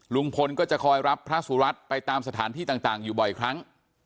ลุงพลก็จะคอยรับพระสุรัตน์ไปตามสถานที่ต่างอยู่บ่อยครั้ง